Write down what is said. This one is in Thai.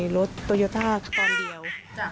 รถโตโยต้าตอนเดียว